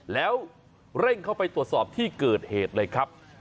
แล้วเร่งเข้าไปตรวจสอบที่เกิดเหตุเลยครับ